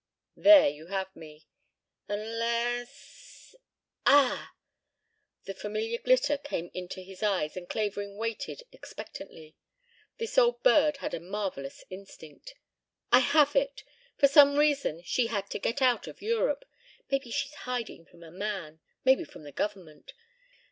"There you have me ... unless ... Ah!" The familiar glitter came into his eyes and Clavering waited expectantly. This old bird had a marvellous instinct. "I have it! For some reason she had to get out of Europe. Maybe she's hiding from a man, maybe from the Government.